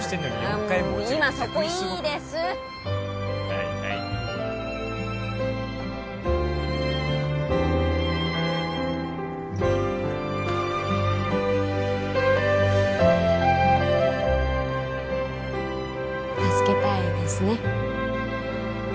はい助けたいですね